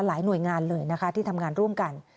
หลายหน่วยงานเลยนะคะที่ทำงานร่วมกัน